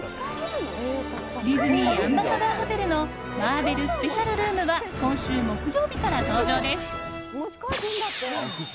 ディズニーアンバサダーホテルのマーベルスペシャルルームは今週木曜日から登場です。